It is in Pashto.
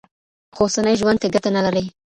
خو اوسني ژوند ته ګټه نه لري.